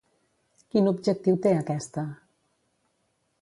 Quin objectiu té aquesta?